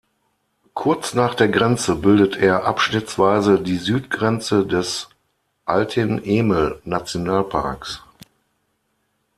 Kurz nach der Grenze bildet er abschnittsweise die Südgrenze des Altyn-Emel-Nationalparks.